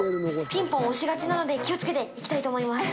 ピンポン押しがちなので気をつけて行きたいと思います。